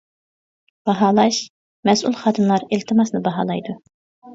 باھالاش: مەسئۇل خادىملار ئىلتىماسنى باھالايدۇ.